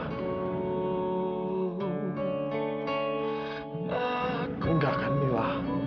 aku gak akan mila